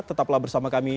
tetaplah bersama kami